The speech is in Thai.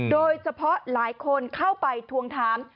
โดยเฉพาะหลายคนเข้าไปทวงถาม